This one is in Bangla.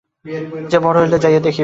সে বড় হইলে যাইয়া দেখিবে।